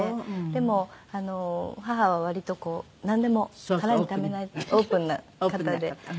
でも義母は割とこうなんでも腹にためないオープンな方で。